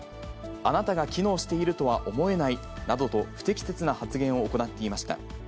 あなたが機能しているとは思えないなどと不適切な発言を行っていました。